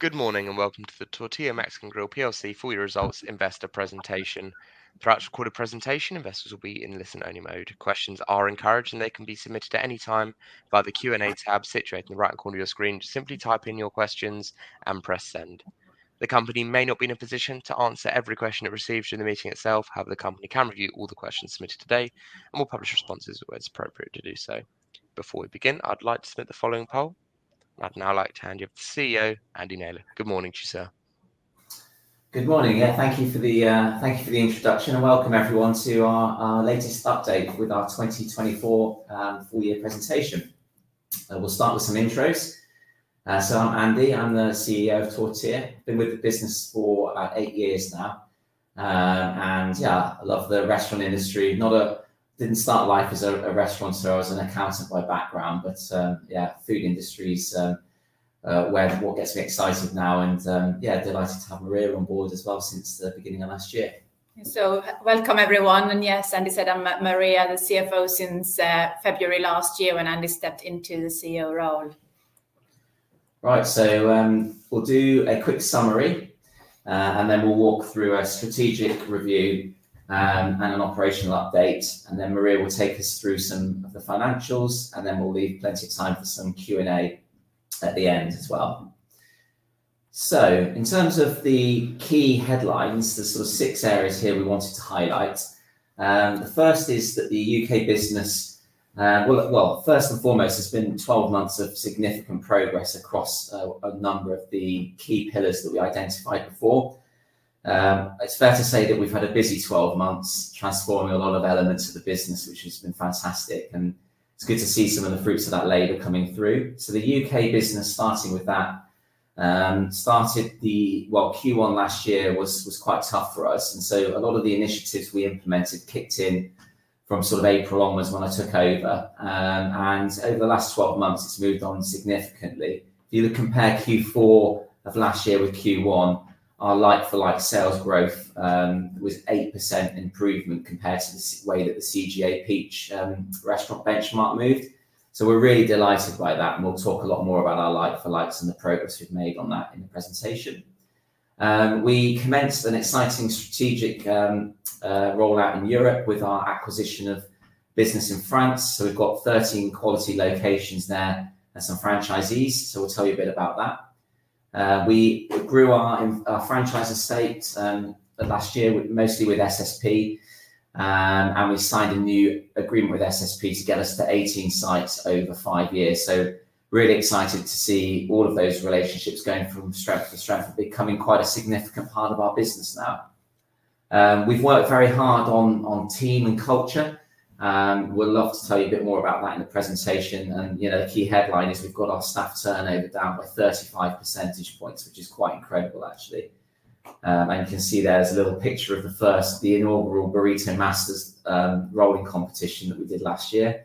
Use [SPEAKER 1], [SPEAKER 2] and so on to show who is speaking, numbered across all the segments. [SPEAKER 1] Good morning and welcome to the Tortilla Mexican Grill PLC Four-Year Results Investor Presentation. Throughout the recorded presentation, investors will be in listen-only mode. Questions are encouraged, and they can be submitted at any time via the Q&A tab situated in the right corner of your screen. Just simply type in your questions and press send. The company may not be in a position to answer every question it receives during the meeting itself. However, the company can review all the questions submitted today and will publish responses when it's appropriate to do so. Before we begin, I'd like to submit the following poll. I'd now like to hand you over to CEO Andy Naylor. Good morning to you, sir.
[SPEAKER 2] Good morning. Thank you for the introduction, and welcome everyone to our latest update with our 2024 Four-Year Presentation. We'll start with some intros. I'm Andy. I'm the CEO of Tortilla. Been with the business for about eight years now. I love the restaurant industry. I did not start life as a restaurant, so I was an accountant by background, but the food industry is what gets me excited now. I'm delighted to have Maria on board as well since the beginning of last year.
[SPEAKER 3] Welcome everyone. Yes, as Andy said, I'm Maria, the CFO since February last year when Andy stepped into the CEO role.
[SPEAKER 2] Right. We'll do a quick summary, and then we'll walk through a strategic review and an operational update. Then Maria will take us through some of the financials, and we'll leave plenty of time for some Q&A at the end as well. In terms of the key headlines, there are sort of six areas here we wanted to highlight. The first is that the U.K. business, well, first and foremost, there have been 12 months of significant progress across a number of the key pillars that we identified before. It's fair to say that we've had a busy 12 months transforming a lot of elements of the business, which has been fantastic. It's good to see some of the fruits of that labor coming through. The U.K. business, starting with that, started the, well, Q1 last year was quite tough for us. A lot of the initiatives we implemented kicked in from sort of April onwards when I took over. Over the last 12 months, it has moved on significantly. If you look, compare Q4 of last year with Q1, our like-for-like sales growth was 8% improvement compared to the way that the CGA Peach Restaurant Benchmark moved. We are really delighted by that. We will talk a lot more about our like-for-likes and the progress we have made on that in the presentation. We commenced an exciting strategic rollout in Europe with our acquisition of business in France. We have 13 quality locations there and some franchisees. We will tell you a bit about that. We grew our franchise estate last year, mostly with SSP. We signed a new agreement with SSP to get us to 18 sites over five years. Really excited to see all of those relationships going from strength to strength. Becoming quite a significant part of our business now. We've worked very hard on team and culture. We'd love to tell you a bit more about that in the presentation. You know, the key headline is we've got our staff turnover down by 35 percentage points, which is quite incredible, actually. You can see there's a little picture of the first, the inaugural Burrito Masters Rolling Competition that we did last year.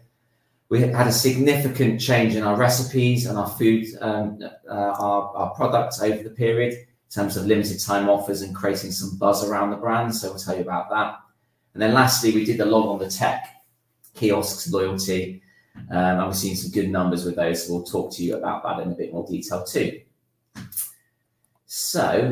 [SPEAKER 2] We had a significant change in our recipes and our foods, our products over the period in terms of limited-time offers and creating some buzz around the brand. We'll tell you about that. Lastly, we did a lot on the tech kiosks loyalty. We've seen some good numbers with those. We'll talk to you about that in a bit more detail too.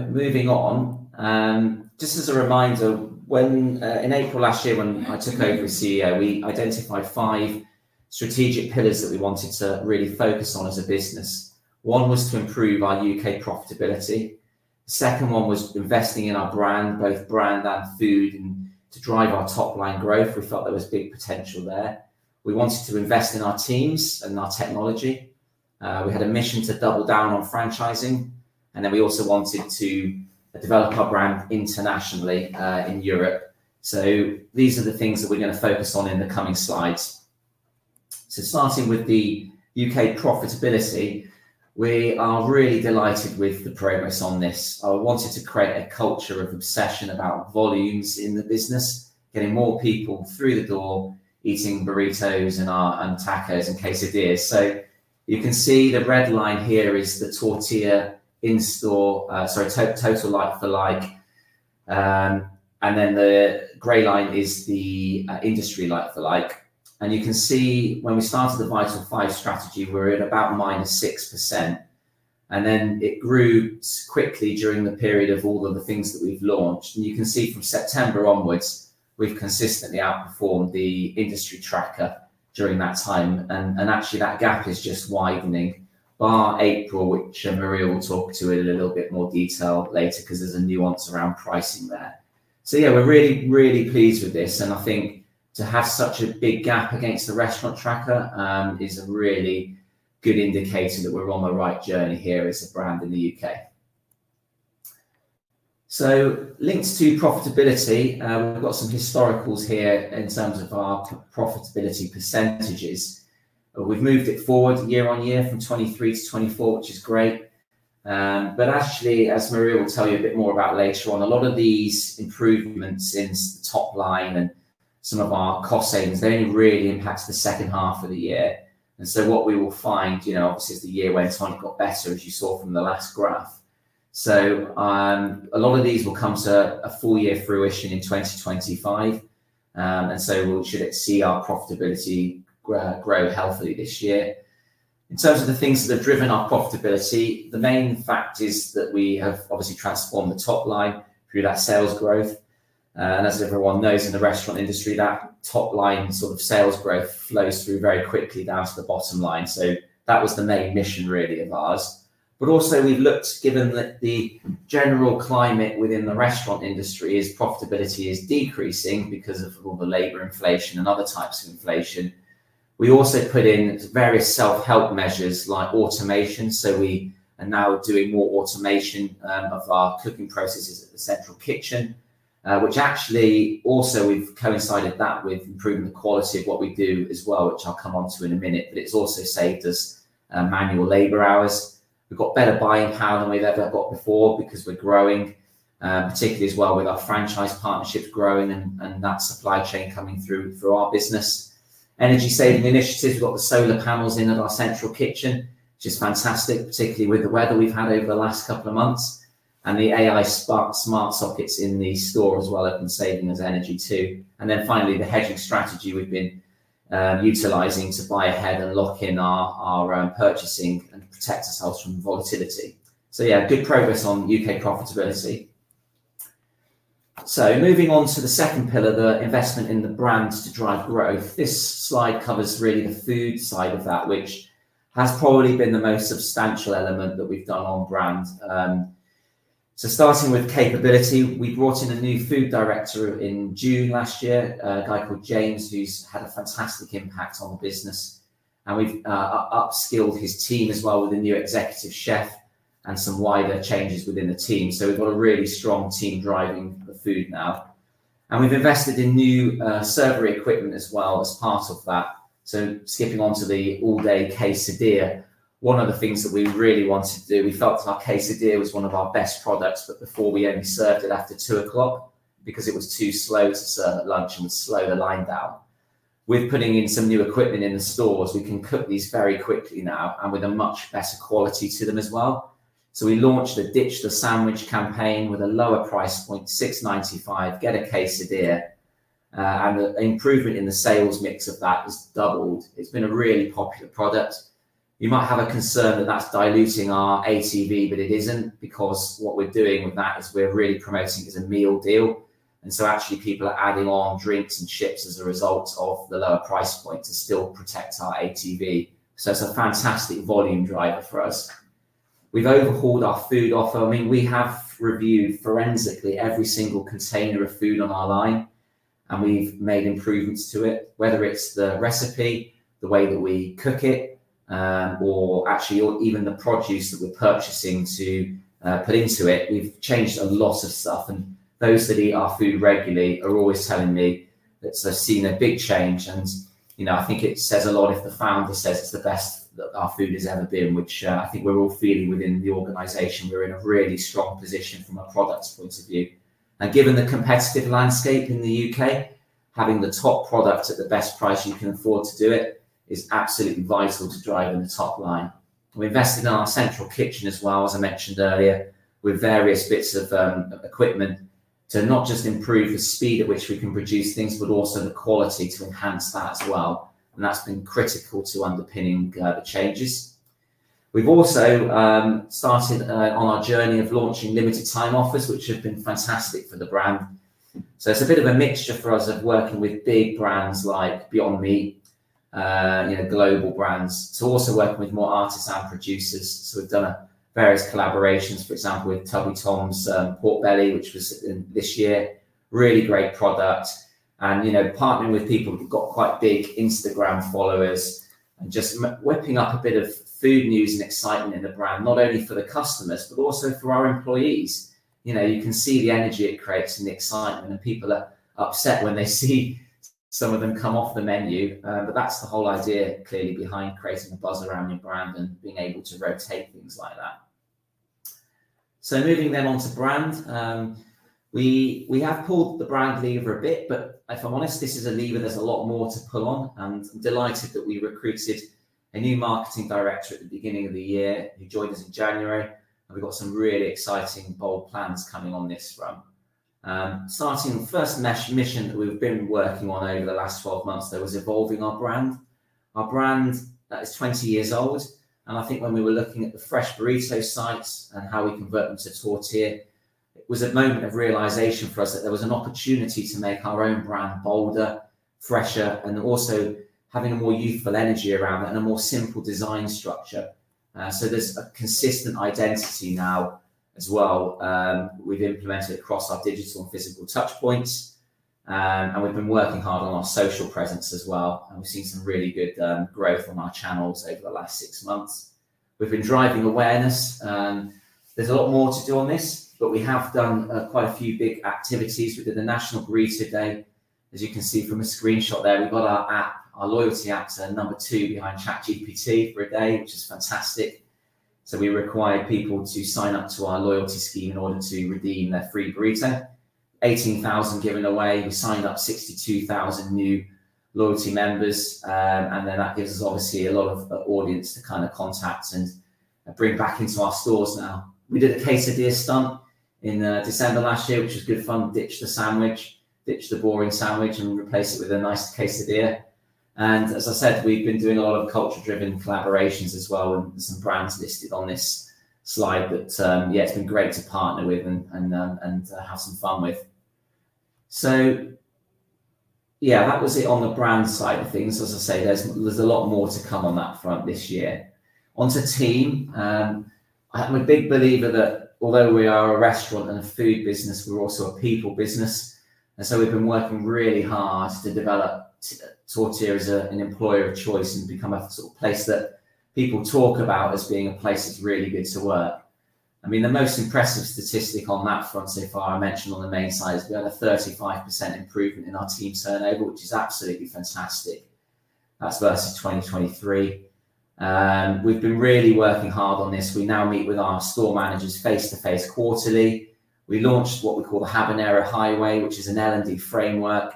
[SPEAKER 2] Moving on, just as a reminder, when, in April last year, when I took over as CEO, we identified five strategic pillars that we wanted to really focus on as a business. One was to improve our U.K. profitability. The second one was investing in our brand, both brand and food, and to drive our top-line growth. We felt there was big potential there. We wanted to invest in our teams and our technology. We had a mission to double down on franchising. We also wanted to develop our brand internationally, in Europe. These are the things that we're gonna focus on in the coming slides. Starting with the U.K. profitability, we are really delighted with the progress on this. I wanted to create a culture of obsession about volumes in the business, getting more people through the door, eating burritos and our, and tacos in case of beers. You can see the red line here is the Tortilla in-store, sorry, total like-for-like. The gray line is the industry like-for-like. You can see when we started the Vital Five strategy, we were at about -6%. It grew quickly during the period of all of the things that we've launched. You can see from September onwards, we've consistently outperformed the industry tracker during that time. Actually, that gap is just widening bar April, which Maria will talk to in a little bit more detail later because there's a nuance around pricing there. We are really, really pleased with this. I think to have such a big gap against the restaurant tracker is a really good indicator that we're on the right journey here as a brand in the U.K. Links to profitability, we've got some historicals here in terms of our profitability percentages. We've moved it forward year-on-year from 2023 to 2024, which is great. Actually, as Maria will tell you a bit more about later on, a lot of these improvements in the top line and some of our cost savings, they only really impact the second half of the year. What we will find, you know, obviously is the year went on, it got better, as you saw from the last graph. A lot of these will come to a full year fruition in 2025, and we should see our profitability grow, grow healthily this year. In terms of the things that have driven our profitability, the main fact is that we have obviously transformed the top line through that sales growth. As everyone knows in the restaurant industry, that top line sort of sales growth flows through very quickly down to the bottom line. That was the main mission really of ours. Also, we've looked, given that the general climate within the restaurant industry is profitability is decreasing because of all the labor inflation and other types of inflation. We also put in various self-help measures like automation. We are now doing more automation of our cooking processes at the Central Kitchen, which actually also we've coincided that with improving the quality of what we do as well, which I'll come onto in a minute. It's also saved us manual labor hours. We've got better buying power than we've ever got before because we're growing, particularly as well with our franchise partnerships growing and that supply chain coming through our business. Energy saving initiatives. We've got the solar panels in at our Central Kitchen, which is fantastic, particularly with the weather we've had over the last couple of months. The AI smart sockets in the store as well have been saving us energy too. Finally, the hedging strategy we've been utilizing to buy ahead and lock in our purchasing and protect ourselves from volatility. Yeah, good progress on U.K. profitability. Moving on to the second pillar, the investment in the brand to drive growth. This slide covers really the food side of that, which has probably been the most substantial element that we've done on brand. Starting with capability, we brought in a new Food Director in June last year, a guy called James who's had a fantastic impact on the business. We've upskilled his team as well with a new Executive Chef and some wider changes within the team. We've got a really strong team driving the food now. We've invested in new servery equipment as well as part of that. Skipping onto the all-day quesadilla, one of the things that we really wanted to do, we felt our quesadilla was one of our best products, but before we only served it after 2:00 P.M. because it was too slow to serve at lunch and would slow the line down. With putting in some new equipment in the stores, we can cook these very quickly now and with a much better quality to them as well. We launched the Ditch the Sandwich campaign with a lower price point, 6.95, get a quesadilla. The improvement in the sales mix of that has doubled. It's been a really popular product. You might have a concern that that's diluting our ATV, but it isn't because what we're doing with that is we're really promoting it as a meal deal. Actually, people are adding on drinks and chips as a result of the lower price point to still protect our ATV. It's a fantastic volume driver for us. We've overhauled our food offer. I mean, we have reviewed forensically every single container of food on our line, and we've made improvements to it, whether it's the recipe, the way that we cook it, or actually even the produce that we're purchasing to put into it. We've changed a lot of stuff. Those that eat our food regularly are always telling me that they've seen a big change. You know, I think it says a lot if the founder says it's the best that our food has ever been, which I think we're all feeling within the organization. We're in a really strong position from a product's point of view. Given the competitive landscape in the U.K., having the top product at the best price you can afford to do it is absolutely vital to driving the top line. We invested in our Central Kitchen as well, as I mentioned earlier, with various bits of equipment to not just improve the speed at which we can produce things, but also the quality to enhance that as well. That's been critical to underpinning the changes. We've also started on our journey of launching limited-time offers, which have been fantastic for the brand. It's a bit of a mixture for us of working with big brands like Beyond Meat, you know, global brands, to also working with more artists and producers. We've done various collaborations, for example, with Tubby Tom's, Pork Belly, which was in this year, really great product. You know, partnering with people who've got quite big Instagram followers and just whipping up a bit of food news and excitement in the brand, not only for the customers, but also for our employees. You know, you can see the energy it creates and the excitement, and people are upset when they see some of them come off the menu. That's the whole idea clearly behind creating a buzz around your brand and being able to rotate things like that. Moving then on to brand, we have pulled the brand lever a bit, but if I'm honest, this is a lever there's a lot more to pull on. I'm delighted that we recruited a new Marketing Director at the beginning of the year who joined us in January. We've got some really exciting bold plans coming on this run. Starting the first mission that we've been working on over the last 12 months, there was evolving our brand. Our brand, that is 20 years old. I think when we were looking at the Fresh Burritos sites and how we convert them to Tortilla, it was a moment of realization for us that there was an opportunity to make our own brand bolder, fresher, and also having a more youthful energy around it and a more simple design structure. So there's a consistent identity now as well. We've implemented across our digital and physical touch points. We've been working hard on our social presence as well. We've seen some really good growth on our channels over the last six months. We've been driving awareness. There's a lot more to do on this, but we have done quite a few big activities. We did the National Burrito Day. As you can see from a screenshot there, we've got our app, our loyalty app, so number two behind ChatGPT for a day, which is fantastic. We required people to sign up to our loyalty scheme in order to redeem their free burrito. 18,000 given away. We signed up 62,000 new loyalty members. That gives us obviously a lot of audience to kind of contact and bring back into our stores now. We did a quesadilla stunt in December last year, which was good fun. Ditch the sandwich, ditch the boring sandwich, and replace it with a nice quesadilla. As I said, we've been doing a lot of culture-driven collaborations as well. Some brands listed on this slide that, yeah, it's been great to partner with and have some fun with. That was it on the brand side of things. As I say, there's a lot more to come on that front this year. Onto team, I'm a big believer that although we are a restaurant and a food business, we're also a people business. We've been working really hard to develop Tortilla as an employer of choice and become a sort of place that people talk about as being a place that's really good to work. I mean, the most impressive statistic on that front so far I mentioned on the main side is we had a 35% improvement in our team turnover, which is absolutely fantastic. That's versus 2023. We've been really working hard on this. We now meet with our store managers face-to-face quarterly. We launched what we call the Habanero Highway, which is an L&D framework.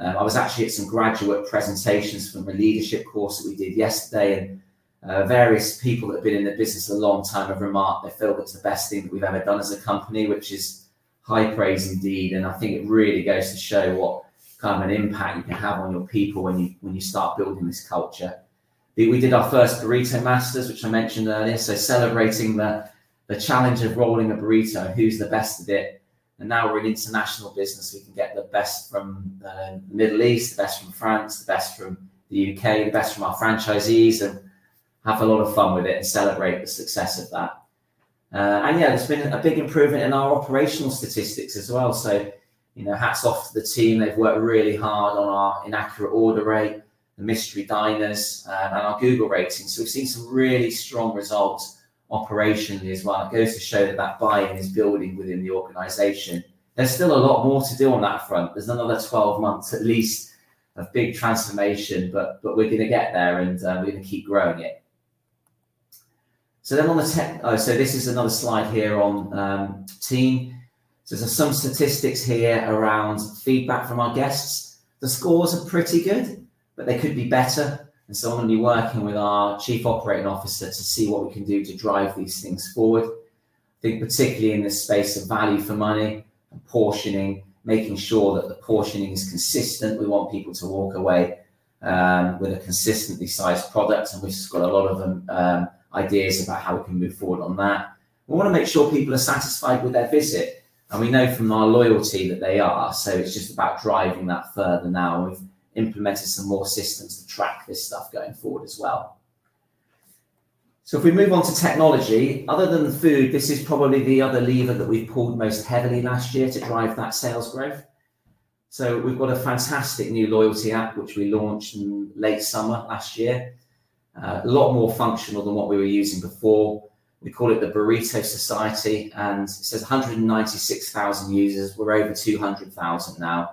[SPEAKER 2] I was actually at some graduate presentations from the leadership course that we did yesterday. Various people that have been in the business a long time have remarked they feel it's the best thing that we've ever done as a company, which is high praise indeed. I think it really goes to show what kind of an impact you can have on your people when you start building this culture. We did our first Burrito Masters, which I mentioned earlier. Celebrating the challenge of rolling a burrito, who's the best at it. Now we're an international business. We can get the best from the Middle East, the best from France, the best from the U.K., the best from our franchisees, and have a lot of fun with it and celebrate the success of that. Yeah, there's been a big improvement in our operational statistics as well. You know, hats off to the team. They've worked really hard on our inaccurate order rate, the mystery diners, and our Google rating. We've seen some really strong results operationally as well. It goes to show that that buy-in is building within the organization. There's still a lot more to do on that front. There's another 12 months, at least, of big transformation, but we're gonna get there and we're gonna keep growing it. On the tech, oh, this is another slide here on team. There are some statistics here around feedback from our guests. The scores are pretty good, but they could be better. I am going to be working with our Chief Operating Officer to see what we can do to drive these things forward. I think particularly in this space of value for money and portioning, making sure that the portioning is consistent. We want people to walk away with a consistently sized product. We have just got a lot of ideas about how we can move forward on that. We want to make sure people are satisfied with their visit. We know from our loyalty that they are. It is just about driving that further now. We have implemented some more systems to track this stuff going forward as well. If we move on to technology, other than food, this is probably the other lever that we have pulled most heavily last year to drive that sales growth. We have got a fantastic new loyalty app, which we launched in late summer last year. A lot more functional than what we were using before. We call it the Burrito Society. It says 196,000 users. We are over 200,000 now,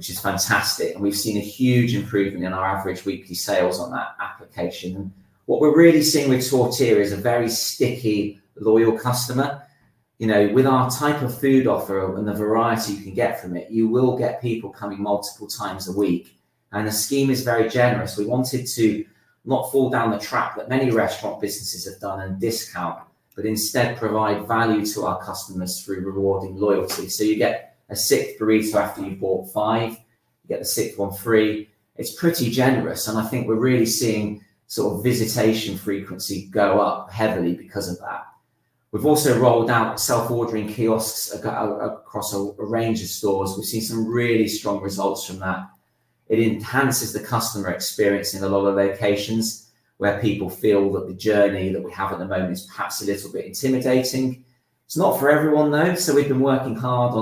[SPEAKER 2] which is fantastic. We have seen a huge improvement in our average weekly sales on that application. What we are really seeing with Tortilla is a very sticky, loyal customer. You know, with our type of food offer and the variety you can get from it, you will get people coming multiple times a week. The scheme is very generous. We wanted to not fall down the trap that many restaurant businesses have done and discount, but instead provide value to our customers through rewarding loyalty. You get a sixth burrito after you've bought five. You get the sixth one free. It's pretty generous. I think we're really seeing sort of visitation frequency go up heavily because of that. We've also rolled out self-ordering kiosks across a range of stores. We've seen some really strong results from that. It enhances the customer experience in a lot of locations where people feel that the journey that we have at the moment is perhaps a little bit intimidating. It's not for everyone though. We've been working hard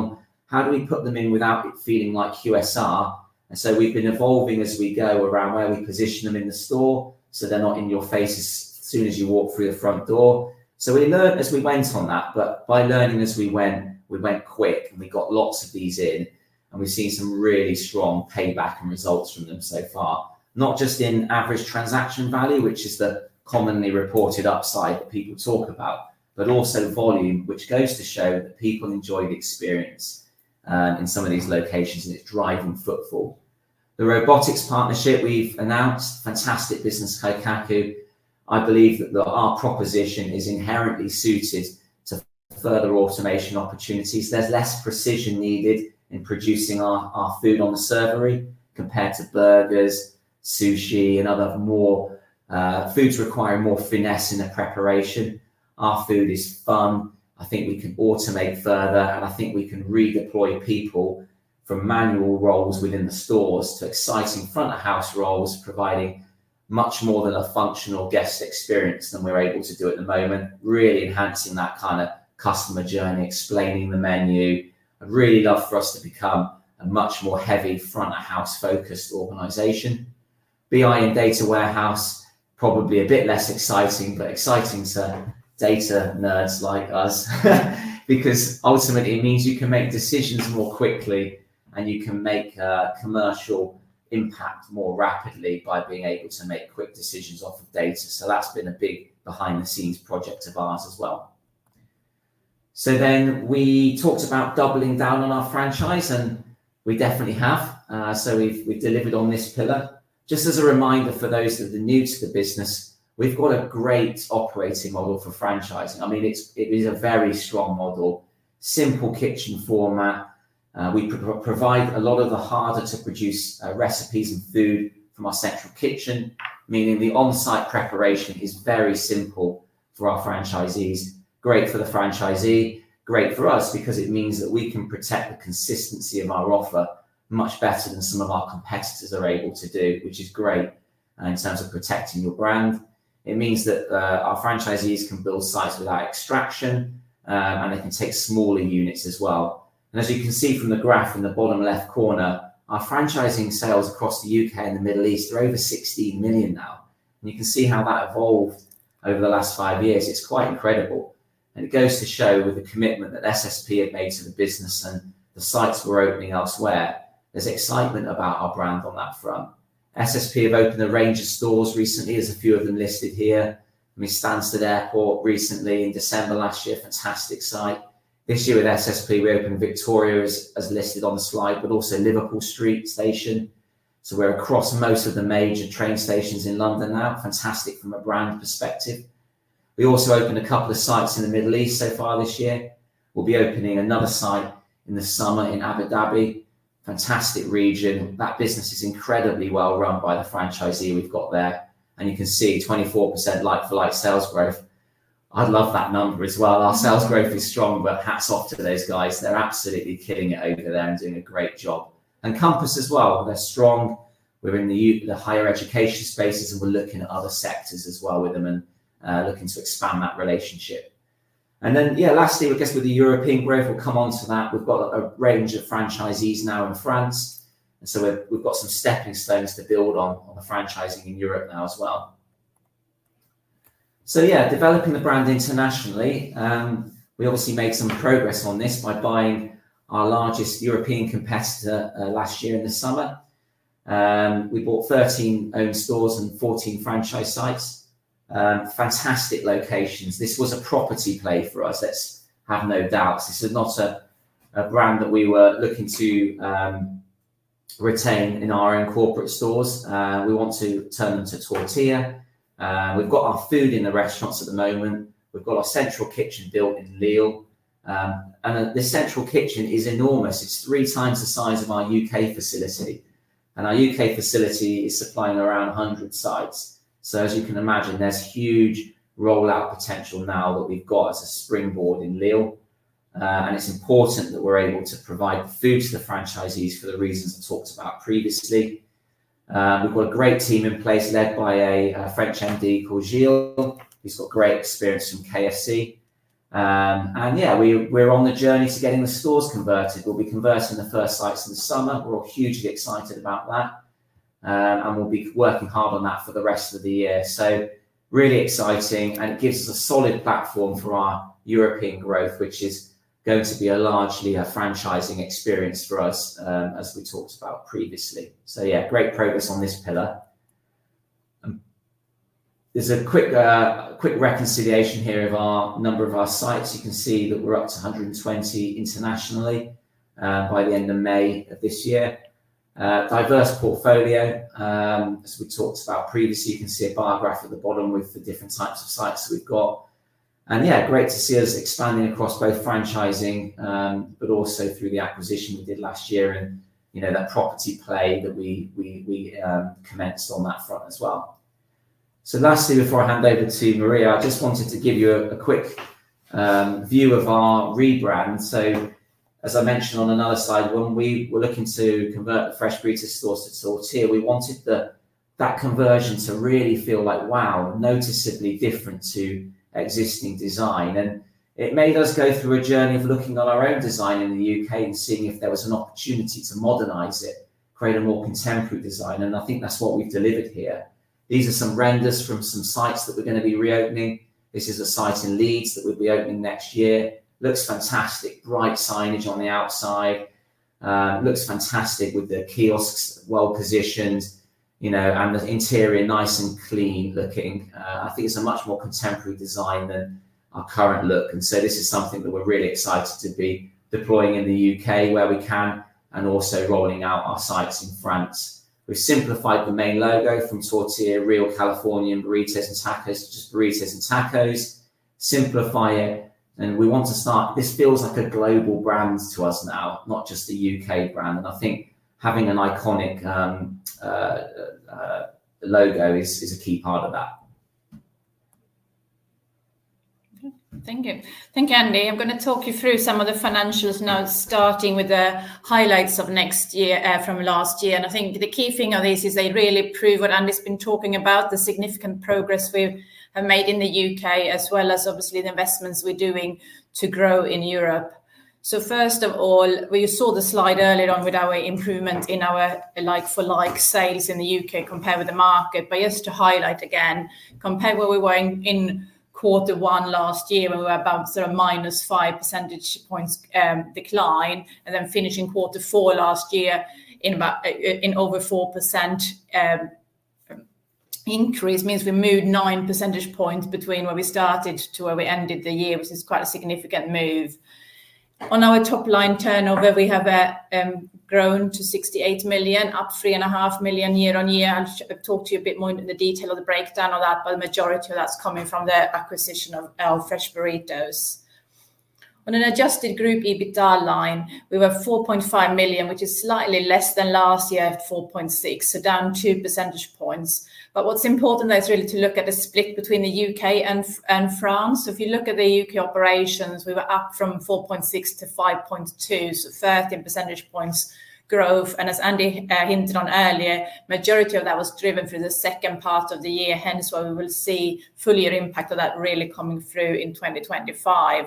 [SPEAKER 2] on how do we put them in without it feeling like QSR. We have been evolving as we go around where we position them in the store so they are not in your face as soon as you walk through the front door. We learned as we went on that. By learning as we went, we went quick and we got lots of these in. We have seen some really strong payback and results from them so far. Not just in Average Transaction Value, which is the commonly reported upside that people talk about, but also volume, which goes to show that people enjoy the experience in some of these locations and it is driving footfall. The robotics partnership we have announced, fantastic business, Kaikaku. I believe that our proposition is inherently suited to further automation opportunities. There's less precision needed in producing our food on the servery compared to burgers, sushi, and other foods requiring more finesse in the preparation. Our food is fun. I think we can automate further. I think we can redeploy people from manual roles within the stores to exciting front-of-house roles, providing much more than a functional guest experience than we're able to do at the moment. Really enhancing that kind of customer journey, explaining the menu. I'd really love for us to become a much more heavy front-of-house focused organization. BI and data warehouse, probably a bit less exciting, but exciting to data nerds like us because ultimately it means you can make decisions more quickly and you can make a commercial impact more rapidly by being able to make quick decisions off of data. That's been a big behind-the-scenes project of ours as well. Then we talked about doubling down on our franchise and we definitely have. We have delivered on this pillar. Just as a reminder for those that are new to the business, we've got a great operating model for franchising. I mean, it is a very strong model, simple kitchen format. We provide a lot of the harder to produce recipes and food from our Central Kitchen, meaning the onsite preparation is very simple for our franchisees. Great for the franchisee, great for us because it means that we can protect the consistency of our offer much better than some of our competitors are able to do, which is great. In terms of protecting your brand, it means that our franchisees can build sites without extraction, and they can take smaller units as well. As you can see from the graph in the bottom left corner, our franchising sales across the U.K. and the Middle East are over 16 million now. You can see how that evolved over the last five years. It's quite incredible. It goes to show with the commitment that SSP have made to the business and the sites we're opening elsewhere, there's excitement about our brand on that front. SSP have opened a range of stores recently, as a few of them listed here. I mean, Stansted Airport recently in December last year, fantastic site. This year with SSP, we opened Victoria, as listed on the slide, but also Liverpool Street Station. We're across most of the major train stations in London now. Fantastic from a brand perspective. We also opened a couple of sites in the Middle East so far this year. We'll be opening another site in the summer in Abu Dhabi. Fantastic region. That business is incredibly well run by the franchisee we've got there. You can see 24% like-for-like sales growth. I'd love that number as well. Our sales growth is strong, but hats off to those guys. They're absolutely killing it over there and doing a great job. Compass as well. They're strong. We're in the higher education spaces and we're looking at other sectors as well with them, looking to expand that relationship. Lastly, I guess with the European growth, we'll come on to that. We've got a range of franchisees now in France. We've got some stepping stones to build on the franchising in Europe now as well. Yeah, developing the brand internationally, we obviously made some progress on this by buying our largest European competitor last year in the summer. We bought 13 owned stores and 14 franchise sites. Fantastic locations. This was a property play for us. Let's have no doubts. This is not a brand that we were looking to retain in our own corporate stores. We want to turn them to Tortilla. We've got our food in the restaurants at the moment. We've got our central kitchen built in Lille, and the Central Kitchen is enormous. It's three times the size of our U.K. facility. Our U.K. facility is supplying around 100 sites. As you can imagine, there's huge rollout potential now that we've got as a springboard in Lille, and it's important that we're able to provide food to the franchisees for the reasons I talked about previously. We've got a great team in place led by a French MD called Gill. He's got great experience from KFC. Yeah, we're on the journey to getting the stores converted. We'll be converting the first sites in the summer. We're all hugely excited about that. We'll be working hard on that for the rest of the year. Really exciting. It gives us a solid platform for our European growth, which is going to be largely a franchising experience for us, as we talked about previously. Great progress on this pillar. There's a quick reconciliation here of our number of sites. You can see that we're up to 120 internationally by the end of May of this year. Diverse portfolio, as we talked about previously, you can see a biograph at the bottom with the different types of sites that we've got. Yeah, great to see us expanding across both franchising, but also through the acquisition we did last year and, you know, that property play that we commenced on that front as well. Lastly, before I hand over to Maria, I just wanted to give you a quick view of our rebrand. As I mentioned on another side, when we were looking to convert the Fresh Burritos stores to Tortilla, we wanted that conversion to really feel like, wow, noticeably different to existing design. It made us go through a journey of looking at our own design in the U.K. and seeing if there was an opportunity to modernize it, create a more contemporary design. I think that's what we've delivered here. These are some renders from some sites that we're gonna be reopening. This is a site in Leeds that we'll be opening next year. Looks fantastic. Bright signage on the outside. Looks fantastic with the kiosks well positioned, you know, and the interior nice and clean looking. I think it's a much more contemporary design than our current look. This is something that we're really excited to be deploying in the U.K. where we can and also rolling out our sites in France. We've simplified the main logo from Tortilla, Real California and Burritos and Tacos, just Burritos and Tacos. Simplify it. We want to start, this feels like a global brand to us now, not just a U.K. brand. I think having an iconic logo is a key part of that.
[SPEAKER 3] Thank you. Thank you, Andy. I'm gonna talk you through some of the financials now, starting with the highlights of next year, from last year. I think the key thing of this is they really prove what Andy's been talking about, the significant progress we have made in the U.K., as well as obviously the investments we're doing to grow in Europe. First of all, we saw the slide earlier on with our improvement in our like-for-like sales in the U.K. compared with the market. Just to highlight again, compared where we were in, in quarter one last year, when we were about sort of minus 5 percentage points, decline, and then finishing quarter four last year in about, in over 4% increase means we moved 9 percentage points between where we started to where we ended the year, which is quite a significant move. On our top line turnover, we have grown to 68 million, up 3.5 million year-on-year. I'll talk to you a bit more in the detail of the breakdown of that, but the majority of that's coming from the acquisition of our Fresh Burritos. On an adjusted group EBITDA line, we were 4.5 million, which is slightly less than last year at 4.6 million, so down 2 percentage points. What's important there is really to look at the split between the U.K. and France. If you look at the U.K. operations, we were up from 4.6 million to 5.2 million, so 13 percentage points growth. As Andy hinted on earlier, majority of that was driven through the second part of the year. Hence why we will see full year impact of that really coming through in 2025.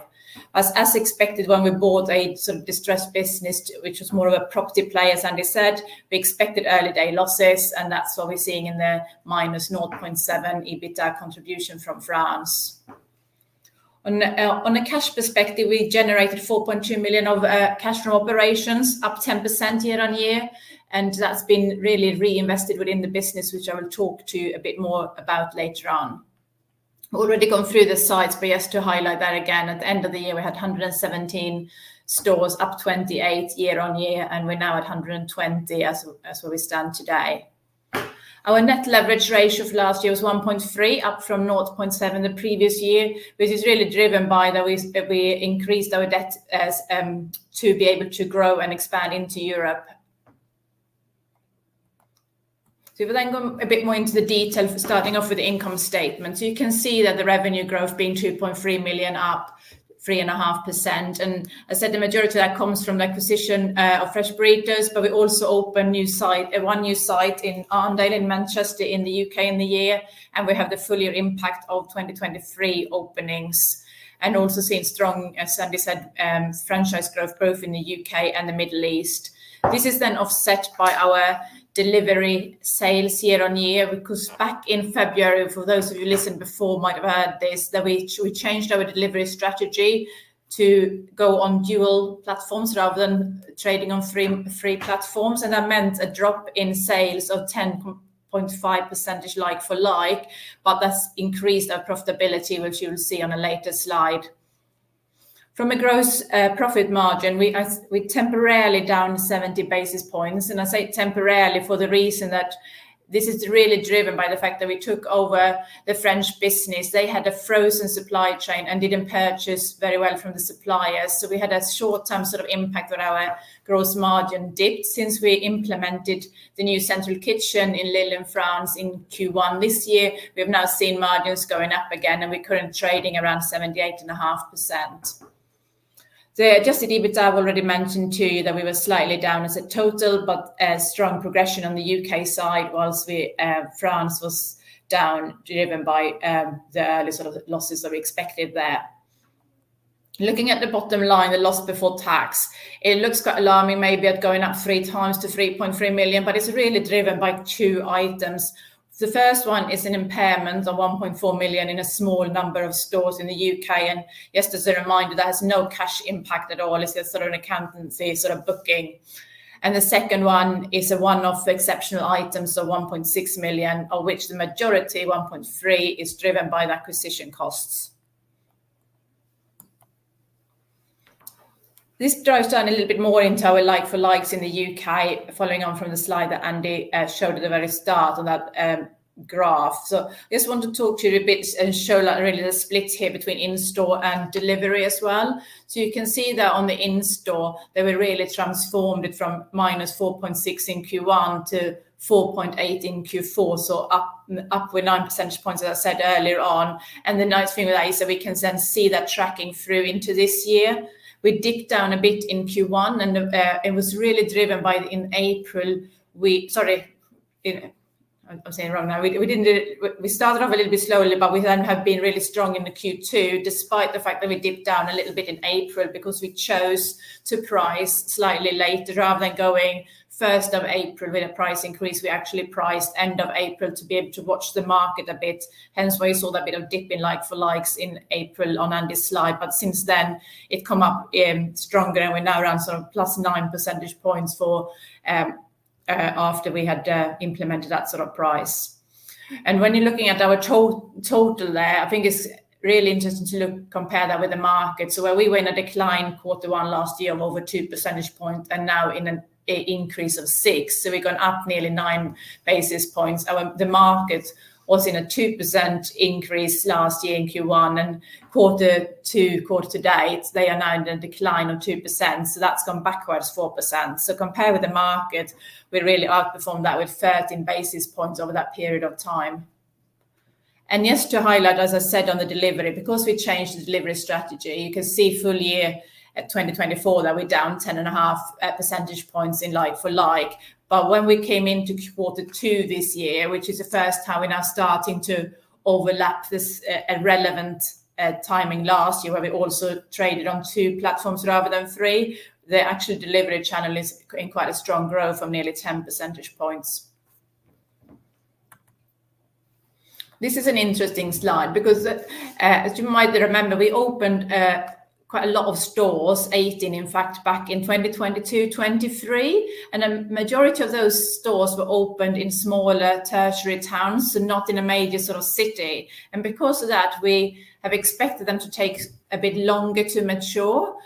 [SPEAKER 3] As expected, when we bought a sort of distressed business, which was more of a property player, as Andy said, we expected early day losses, and that's what we're seeing in the minus 0.7 EBITDA contribution from France. On a cash perspective, we generated 4.2 million of cash from operations, up 10% year-on-year. That has been really reinvested within the business, which I will talk to you a bit more about later on. We've already gone through the sites, but just to highlight that again, at the end of the year, we had 117 stores, up 28 year-on-year, and we're now at 120 as we stand today. Our net leverage ratio for last year was 1.3, up from 0.7 the previous year, which is really driven by that we increased our debt as, to be able to grow and expand into Europe. If we then go a bit more into the detail, starting off with the income statement, you can see that the revenue growth being 2.3 million, up 3.5%. I said the majority of that comes from the acquisition of Fresh Burritos, but we also opened one new site in Arndale, Manchester in the U.K. in the year, and we have the full year impact of 2023 openings and also seen strong, as Andy said, franchise growth in the U.K. and the Middle East. This is then offset by our delivery sales year-on-year, because back in February, for those of you listening before might have heard this, that we changed our delivery strategy to go on dual platforms rather than trading on three platforms. That meant a drop in sales of 10.5% like-for-like, but that has increased our profitability, which you will see on a later slide. From a gross profit margin, we, I, we are temporarily down 70 basis points. I say temporarily for the reason that this is really driven by the fact that we took over the French business. They had a frozen supply chain and did not purchase very well from the suppliers. We had a short-term sort of impact on our gross margin dip since we implemented the new central kitchen in Lille in France in Q1 this year. We have now seen margins going up again, and we're currently trading around 78.5%. The adjusted EBITDA I've already mentioned to you that we were slightly down as a total, but a strong progression on the U.K. side whilst we, France was down, driven by, the early sort of losses that we expected there. Looking at the bottom line, the loss before tax, it looks quite alarming, maybe at going up three times to 3.3 million, but it's really driven by two items. The first one is an impairment of 1.4 million in a small number of stores in the U.K. Yes, as a reminder, that has no cash impact at all. It's a sort of an accountancy, sort of booking. The second one is a one-off exceptional item of 1.6 million, of which the majority, 1.3 million, is driven by the acquisition costs. This drives down a little bit more into our like-for-likes in the U.K., following on from the slide that Andy showed at the very start on that graph. I just want to talk to you a bit and show like really the split here between in-store and delivery as well. You can see that on the in-store, they were really transformed from minus 4.6% in Q1 to 4.8% in Q4, so up, up with 9 percentage points, as I said earlier on. The nice thing with that is that we can then see that tracking through into this year. We dipped down a bit in Q1, and it was really driven by in April. We, sorry, you know, I'm saying it wrong now. We didn't, we started off a little bit slowly, but we then have been really strong in Q2, despite the fact that we dipped down a little bit in April because we chose to price slightly later rather than going first of April with a price increase. We actually priced end of April to be able to watch the market a bit. Hence why you saw that bit of dipping like-for-likes in April on Andy's slide. Since then, it's come up, stronger, and we're now around sort of plus 9 percentage points for, after we had implemented that sort of price. When you're looking at our total, total there, I think it's really interesting to look, compare that with the market. Where we were in a decline quarter one last year of over 2 percentage points and now in an increase of 6. We've gone up nearly nine basis points. The market was in a 2% increase last year in Q1, and quarter two, quarter to date, they are now in a decline of 2%. That has gone backwards 4%. Compared with the market, we really outperformed that with 13 basis points over that period of time. Yes, to highlight, as I said on the delivery, because we changed the delivery strategy, you can see full year 2024 that we're down 10.5 percentage points in like-for-like. When we came into quarter two this year, which is the first time we're now starting to overlap this at relevant timing last year, where we also traded on two platforms rather than three, the actual delivery channel is in quite a strong growth of nearly 10 percentage points. This is an interesting slide because, as you might remember, we opened quite a lot of stores, 18 in fact, back in 2022, 2023, and a majority of those stores were opened in smaller tertiary towns, not in a major sort of city. Because of that, we have expected them to take a bit longer to mature.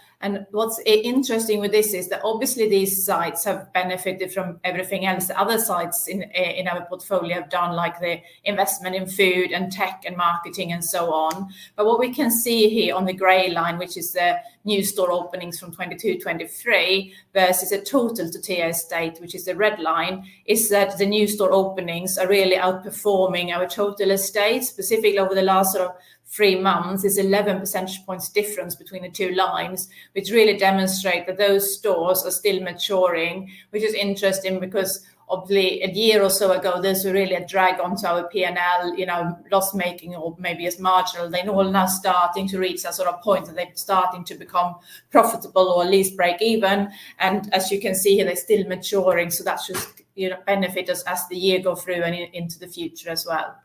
[SPEAKER 3] What's interesting with this is that obviously these sites have benefited from everything else the other sites in our portfolio have done, like the investment in food and tech and marketing and so on. What we can see here on the gray line, which is the new store openings from 2022, 2023 versus the total Tortilla estate, which is the red line, is that the new store openings are really outperforming our total estate, specifically over the last sort of three months. It's 11 percentage points difference between the two lines, which really demonstrates that those stores are still maturing, which is interesting because obviously a year or so ago, there was really a drag onto our P&L, you know, loss making or maybe as marginal. They're all now starting to reach that sort of point that they're starting to become profitable or at least break even. As you can see here, they're still maturing. That just, you know, benefits us as the year goes through and into the future as well.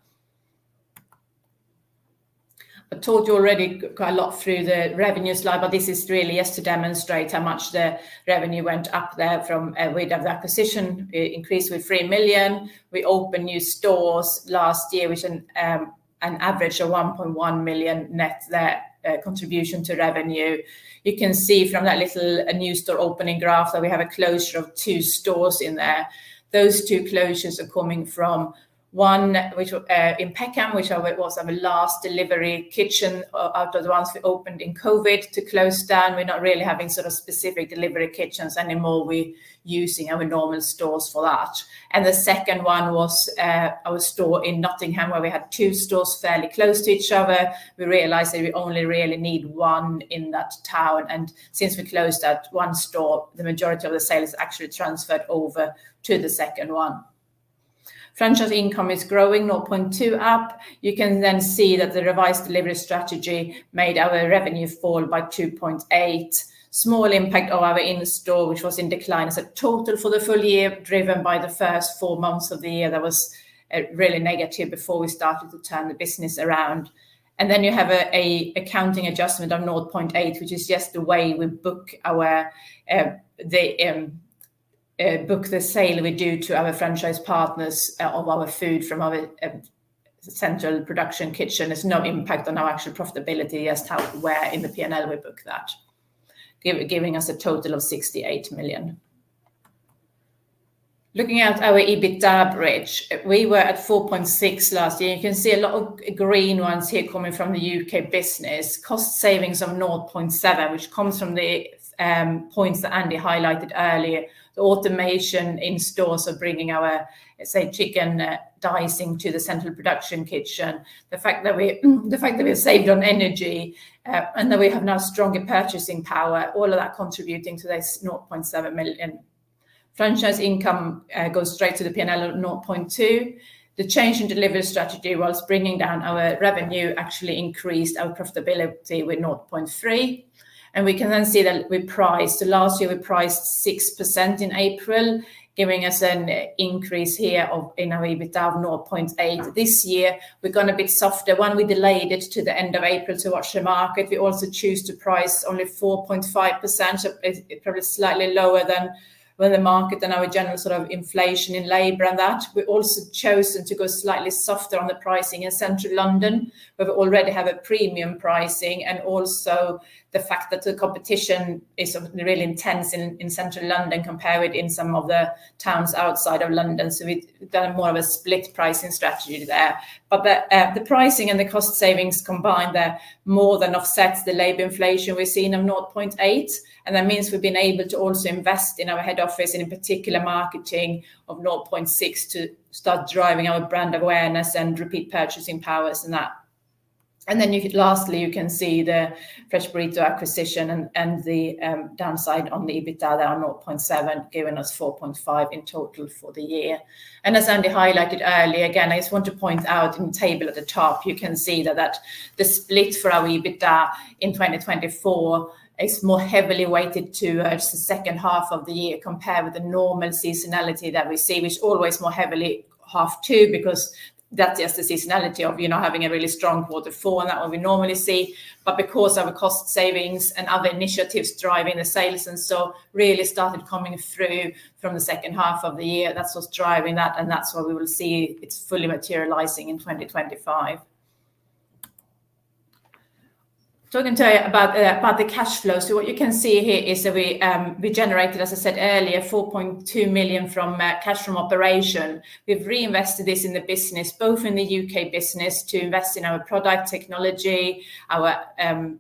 [SPEAKER 3] I told you already quite a lot through the revenue slide, but this is really just to demonstrate how much the revenue went up there from, we'd have that position increased with 3 million. We opened new stores last year, which is an average of 1.1 million net there, contribution to revenue. You can see from that little new store opening graph that we have a closure of two stores in there. Those two closures are coming from one, which, in Peckham, which was our last delivery kitchen out of the ones we opened in COVID to close down. We're not really having sort of specific delivery kitchens anymore. We're using our normal stores for that. The second one was our store in Nottingham, where we had two stores fairly close to each other. We realized that we only really need one in that town. Since we closed that one store, the majority of the sales actually transferred over to the second one. Franchise income is growing, 0.2% up. You can then see that the revised delivery strategy made our revenue fall by 2.8%. Small impact of our in-store, which was in decline as a total for the full year, driven by the first four months of the year. That was really negative before we started to turn the business around. You have an accounting adjustment of 0.8 million, which is just the way we book the sale we do to our franchise partners of our food from our central production kitchen. There is no impact on our actual profitability. It is just where in the P&L we book that, giving us a total of 68 million. Looking at our EBITDA bridge, we were at 4.6 million last year. You can see a lot of green ones here coming from the U.K. business. Cost savings of 0.7 million, which comes from the points that Andy highlighted earlier. The automation in stores of bringing our, say, chicken dicing to the central production kitchen. The fact that we, the fact that we've saved on energy, and that we have now stronger purchasing power, all of that contributing to this 0.7 million. Franchise income goes straight to the P&L of 0.2 million. The change in delivery strategy whilst bringing down our revenue actually increased our profitability with 0.3 million. We can then see that we priced last year, we priced 6% in April, giving us an increase here in our EBITDA of 0.8 million. This year, we've gone a bit softer when we delayed it to the end of April to watch the market. We also choose to price only 4.5%, probably slightly lower than when the market, than our general sort of inflation in labor and that. We've also chosen to go slightly softer on the pricing in central London, where we already have a premium pricing and also the fact that the competition is really intense in central London compared with in some of the towns outside of London. We've done more of a split pricing strategy there. The pricing and the cost savings combined, they're more than offsets the labor inflation we've seen of 0.8. That means we've been able to also invest in our head office and in particular marketing of 0.6 to start driving our brand awareness and repeat purchasing powers and that. Lastly, you can see the Fresh Burritos acquisition and the downside on the EBITDA there on 0.7, giving us 4.5 in total for the year. As Andy highlighted earlier, I just want to point out in the table at the top, you can see that the split for our EBITDA in 2024 is more heavily weighted to the second half of the year compared with the normal seasonality that we see, which is always more heavily half two because that's just the seasonality of, you know, having a really strong quarter four and that's what we normally see. Because of the cost savings and other initiatives driving the sales and so really started coming through from the second half of the year, that's what's driving that. That's why we will see it's fully materializing in 2025. Talking to you about the cash flow. What you can see here is that we generated, as I said earlier, 4.2 million cash from operation. We've reinvested this in the business, both in the U.K. business to invest in our product technology, our,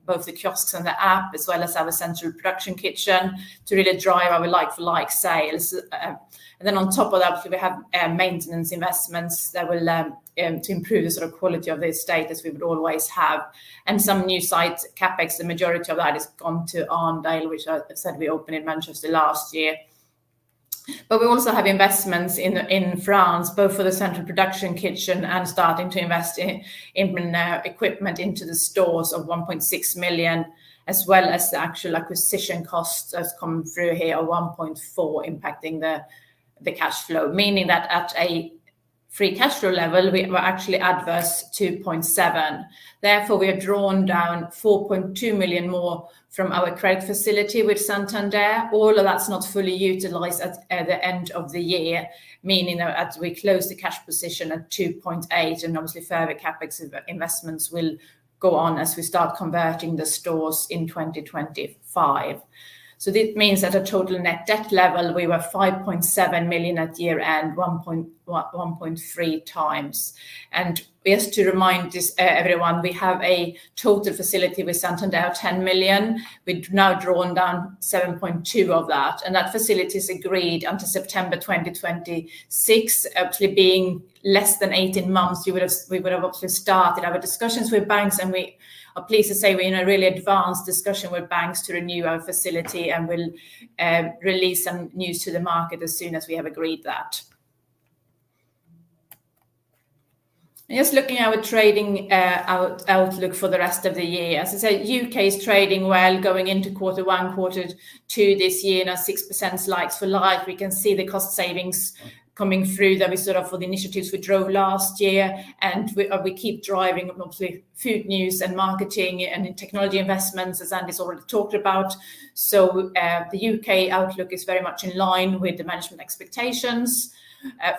[SPEAKER 3] both the kiosks and the app, as well as our central production kitchen to really drive our like-for-like sales. On top of that, obviously we have maintenance investments that will improve the sort of quality of the estate as we would always have. Some new sites, CapEx, the majority of that has gone to Arndale, which I said we opened in Manchester last year. We also have investments in France, both for the central production kitchen and starting to invest in equipment into the stores of 1.6 million, as well as the actual acquisition costs that's come through here of 1.4 million, impacting the cash flow, meaning that at a free cash flow level, we were actually adverse 2.7 million. Therefore, we have drawn down 4.2 million more from our credit facility with Santander. All of that is not fully utilized at the end of the year, meaning that as we close the cash position at 2.8 million, and obviously further CapEx investments will go on as we start converting the stores in 2025. This means at a total net debt level, we were 5.7 million at year end, 1.1-1.3 times. Just to remind everyone, we have a total facility with Santander, 10 million. We've now drawn down 7.2 million of that. That facility is agreed until September 2026, actually being less than 18 months. You would have, we would have obviously started our discussions with banks, and we are pleased to say we're in a really advanced discussion with banks to renew our facility, and we'll release some news to the market as soon as we have agreed that. Just looking at our trading, outlook for the rest of the year, as I said, U.K. is trading well going into quarter one, quarter two this year, and our 6% like-for-like. We can see the cost savings coming through that we sort of for the initiatives we drove last year, and we keep driving obviously food news and marketing and technology investments, as Andy's already talked about. The U.K. outlook is very much in line with the management expectations.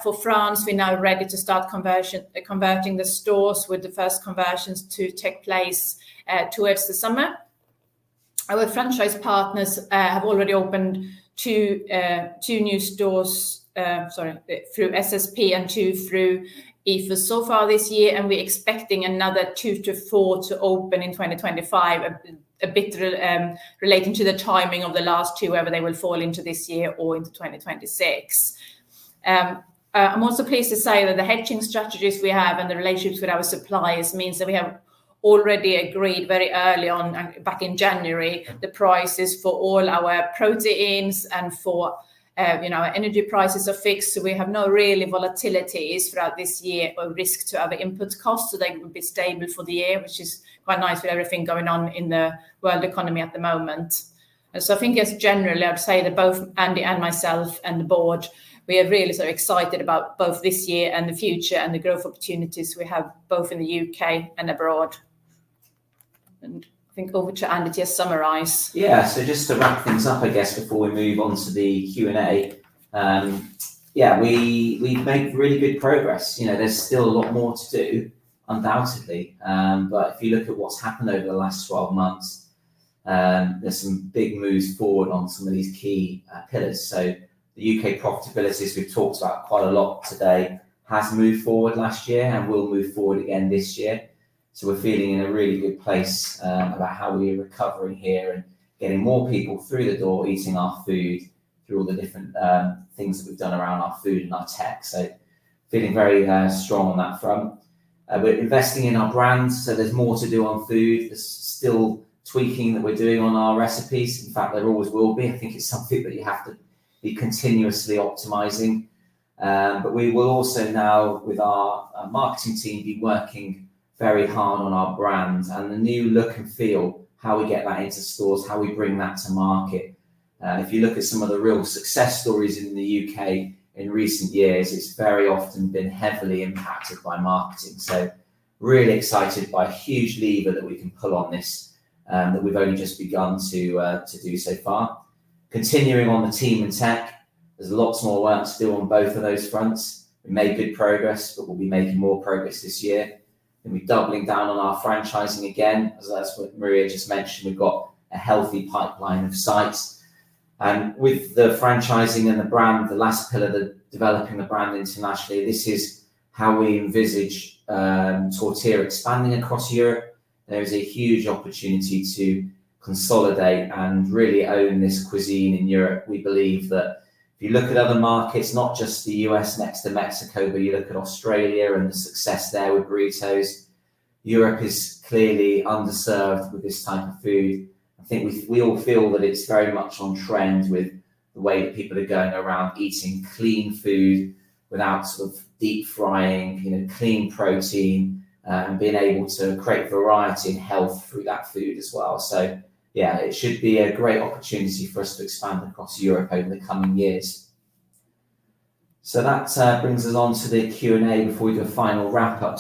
[SPEAKER 3] For France, we're now ready to start conversion, converting the stores with the first conversions to take place, towards the summer. Our franchise partners have already opened two new stores through SSP and two through EFA so far this year, and we're expecting another two to four to open in 2025, a bit relating to the timing of the last two, whether they will fall into this year or into 2026. I'm also pleased to say that the hedging strategies we have and the relationships with our suppliers means that we have already agreed very early on, back in January, the prices for all our proteins and for, you know, our energy prices are fixed. We have no really volatilities throughout this year or risk to other input costs. They will be stable for the year, which is quite nice with everything going on in the world economy at the moment. I think just generally, I'd say that both Andy and myself and the board, we are really so excited about both this year and the future and the growth opportunities we have both in the U.K. and abroad. I think over to Andy to just summarize.
[SPEAKER 2] Yeah. Just to wrap things up, I guess, before we move on to the Q&A, yeah, we've made really good progress. You know, there's still a lot more to do, undoubtedly. If you look at what's happened over the last 12 months, there's some big moves forward on some of these key pillars. The U.K. profitability we've talked about quite a lot today has moved forward last year and will move forward again this year. We're feeling in a really good place about how we are recovering here and getting more people through the door, eating our food through all the different things that we've done around our food and our tech. Feeling very strong on that front. We're investing in our brand, so there's more to do on food. There's still tweaking that we're doing on our recipes. In fact, there always will be. I think it's something that you have to be continuously optimizing. We will also now, with our marketing team, be working very hard on our brand and the new look and feel, how we get that into stores, how we bring that to market. If you look at some of the real success stories in the U.K. in recent years, it's very often been heavily impacted by marketing. Really excited by a huge lever that we can pull on this, that we've only just begun to do so far. Continuing on the team and tech, there's lots more work still on both of those fronts. We made good progress, but we'll be making more progress this year. We're doubling down on our franchising again, as Maria just mentioned. We've got a healthy pipeline of sites. With the franchising and the brand, the last pillar, developing the brand internationally, this is how we envisage Tortilla expanding across Europe. There is a huge opportunity to consolidate and really own this cuisine in Europe. We believe that if you look at other markets, not just the U.S. next to Mexico, but you look at Australia and the success there with burritos, Europe is clearly underserved with this type of food. I think we all feel that it's very much on trend with the way that people are going around eating clean food without sort of deep frying, you know, clean protein, and being able to create variety and health through that food as well. Yeah, it should be a great opportunity for us to expand across Europe over the coming years. That brings us on to the Q&A before we do a final wrap up.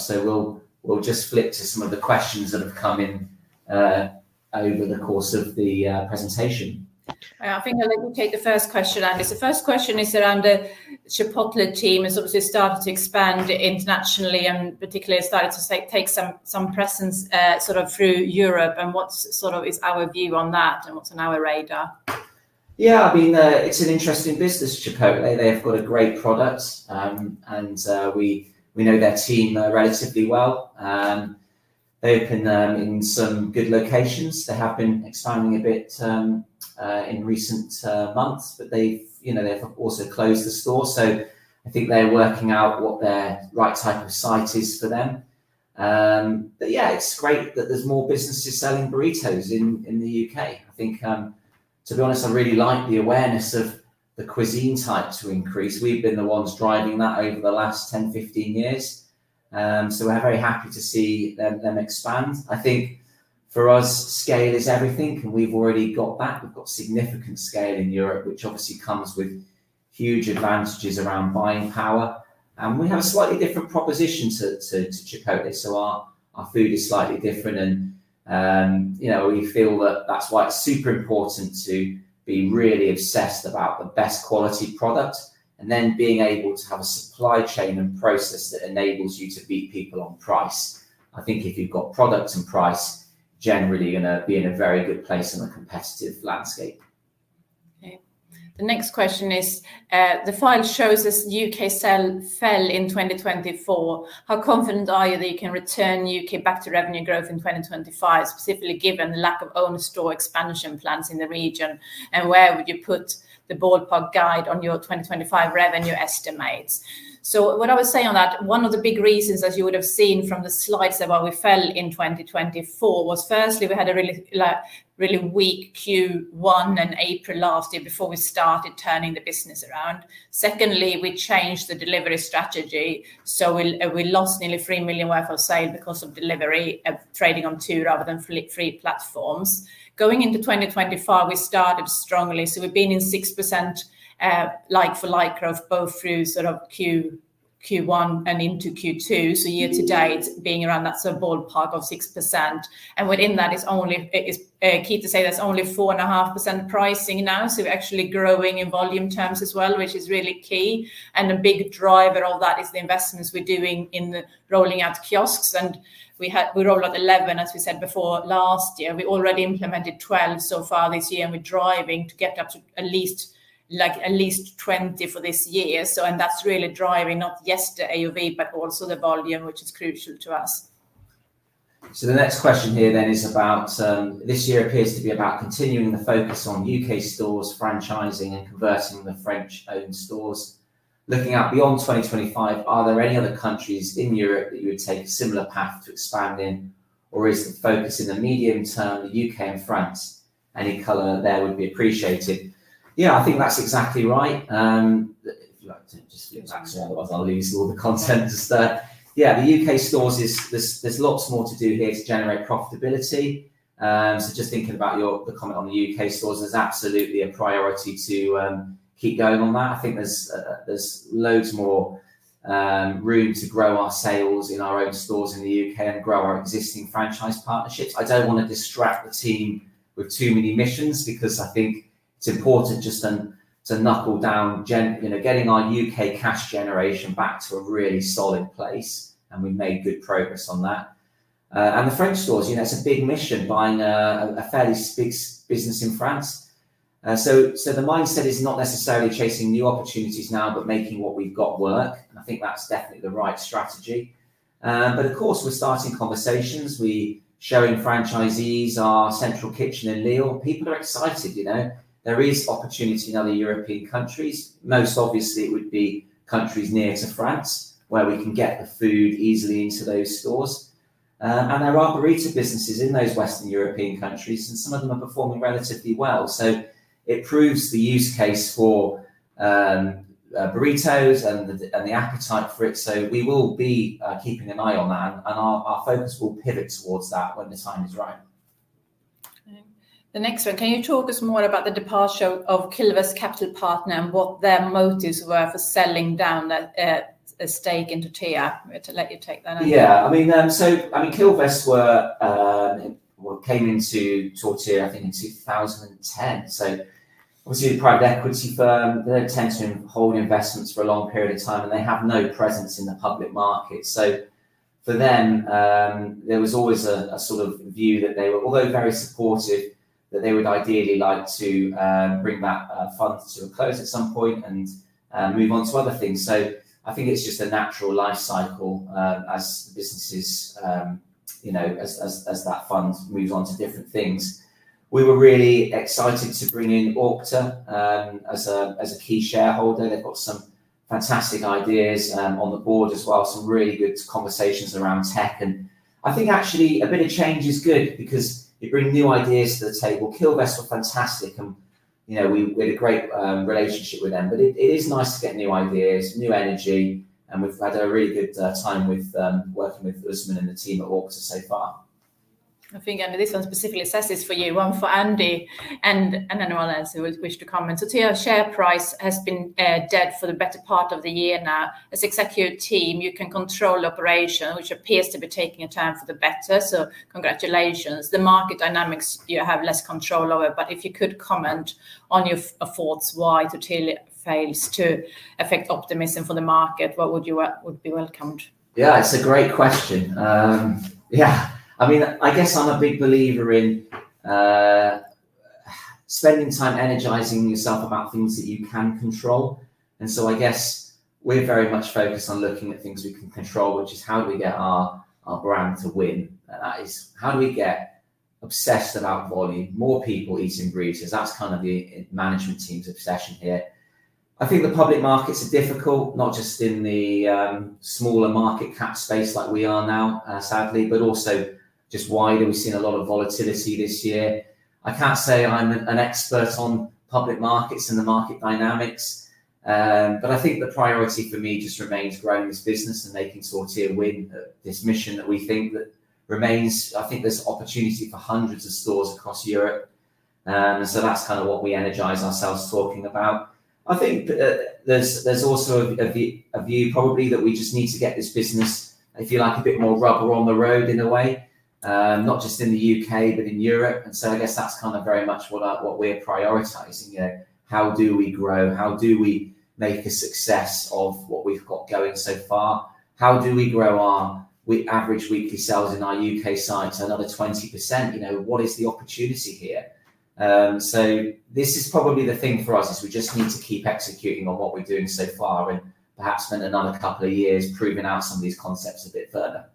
[SPEAKER 2] We'll just flip to some of the questions that have come in over the course of the presentation.
[SPEAKER 3] I think I'll take the first question, Andy. The first question is around the Chipotle team has obviously started to expand internationally and particularly has started to take some presence, sort of through Europe. What's sort of our view on that and what's on our radar?
[SPEAKER 2] Yeah, I mean, it's an interesting business, Chipotle. They've got a great product, and we know their team relatively well. They open in some good locations. They have been expanding a bit in recent months, but they've, you know, they've also closed a store. I think they're working out what their right type of site is for them. Yeah, it's great that there's more businesses selling burritos in the U.K. I think, to be honest, I really like the awareness of the cuisine type to increase. We've been the ones driving that over the last 10-15 years. We're very happy to see them expand. I think for us, scale is everything, and we've already got that. We've got significant scale in Europe, which obviously comes with huge advantages around buying power. We have a slightly different proposition to Chipotle. Our food is slightly different. You know, we feel that that's why it's super important to be really obsessed about the best quality product and then being able to have a supply chain and process that enables you to beat people on price. I think if you've got product and price, generally you're going to be in a very good place on a competitive landscape.
[SPEAKER 3] Okay. The next question is, the file shows U.K. sales fell in 2024. How confident are you that you can return U.K. back to revenue growth in 2025, specifically given the lack of own store expansion plans in the region? And where would you put the ballpark guide on your 2025 revenue estimates? What I was saying on that, one of the big reasons, as you would have seen from the slides of why we fell in 2024 was firstly, we had a really, like, really weak Q1 and April last year before we started turning the business around. Secondly, we changed the delivery strategy. We lost nearly 3 million worth of sale because of delivery of trading on two rather than three platforms. Going into 2024, we started strongly. We have been in 6% like-for-like growth, both through sort of Q1 and into Q2. Year to date, being around that sort of ballpark of 6%. Within that, it is key to say that is only 4.5% pricing now. We are actually growing in volume terms as well, which is really key. A big driver of that is the investments we're doing in rolling out kiosks. We rolled out 11, as we said before, last year. We already implemented 12 so far this year, and we're driving to get up to at least 20 for this year. That's really driving not just the ATV, but also the volume, which is crucial to us.
[SPEAKER 2] The next question here then is about, this year appears to be about continuing the focus on U.K. stores, franchising, and converting the French-owned stores. Looking out beyond 2025, are there any other countries in Europe that you would take a similar path to expand in, or is the focus in the medium term, the U.K. and France? Any color there would be appreciated. Yeah, I think that's exactly right. If you like to just be exactly, otherwise I'll lose all the content just there. Yeah, the U.K. stores, there's lots more to do here to generate profitability. Just thinking about your comment on the U.K. stores, there's absolutely a priority to keep going on that. I think there's loads more room to grow our sales in our own stores in the U.K. and grow our existing franchise partnerships. I don't want to distract the team with too many missions because I think it's important just to knuckle down, you know, getting our U.K. cash generation back to a really solid place. We've made good progress on that. The French stores, you know, it's a big mission buying a fairly big business in France. The mindset is not necessarily chasing new opportunities now, but making what we've got work. I think that's definitely the right strategy. Of course, we're starting conversations. We're showing franchisees our Central Kitchen in Lille. People are excited, you know, there is opportunity in other European countries. Most obviously, it would be countries near to France where we can get the food easily into those stores. There are burrito businesses in those Western European countries, and some of them are performing relatively well. It proves the use case for burritos and the appetite for it. We will be keeping an eye on that, and our focus will pivot towards that when the time is right.
[SPEAKER 3] Okay. The next one, can you talk us more about the departure of Quilvest Capital Partners and what their motives were for selling down that stake in Tortilla? I'll let you take that.
[SPEAKER 2] Yeah, I mean, Quilvest came into Tortilla, I think, in 2010. Obviously a private equity firm, they tend to hold investments for a long period of time, and they have no presence in the public market. For them, there was always a sort of view that they were, although very supportive, that they would ideally like to bring that fund to a close at some point and move on to other things. I think it's just a natural life cycle, as the business, you know, as that fund moves on to different things. We were really excited to bring in Auctor as a key shareholder. They've got some fantastic ideas on the board as well, some really good conversations around tech. I think actually a bit of change is good because you bring new ideas to the table. Quilvest were fantastic. You know, we had a great relationship with them, but it is nice to get new ideas, new energy. We have had a really good time working with Usman and the team at Auctor so far.
[SPEAKER 3] I think, Andy, this one specifically says this is for you, one for Andy and anyone else who would wish to comment. Tortilla share price has been dead for the better part of the year now. As executive team, you can control operation, which appears to be taking a turn for the better. Congratulations. The market dynamics you have less control over, but if you could comment on your thoughts why Tortilla fails to affect optimism for the market, that would be welcomed.
[SPEAKER 2] Yeah, it's a great question. Yeah, I mean, I guess I'm a big believer in spending time energizing yourself about things that you can control. I guess we're very much focused on looking at things we can control, which is how do we get our brand to win? That is, how do we get obsessed about volume, more people eating burritos? That's kind of the management team's obsession here. I think the public markets are difficult, not just in the smaller market cap space like we are now, sadly, but also just wider. We've seen a lot of volatility this year. I can't say I'm an expert on public markets and the market dynamics, but I think the priority for me just remains growing this business and making Tortilla win this mission that we think that remains. I think there's opportunity for hundreds of stores across Europe. That's kind of what we energize ourselves talking about. I think there's also a view probably that we just need to get this business, if you like, a bit more rubber on the road in a way, not just in the U.K., but in Europe. I guess that's very much what we're prioritizing. You know, how do we grow? How do we make a success of what we've got going so far? How do we grow our average weekly sales in our U.K. sites another 20%? What is the opportunity here? This is probably the thing for us. We just need to keep executing on what we're doing so far and perhaps spend another couple of years proving out some of these concepts a bit further.